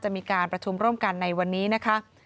มีการประชุมร่วมกันในวันนี้นะคะ